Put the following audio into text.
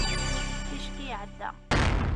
ticki iɛedda